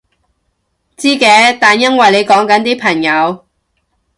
知嘅，但因為你講緊啲朋友